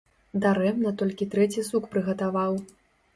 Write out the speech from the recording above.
Дарэмна толькі трэці сук прыгатаваў.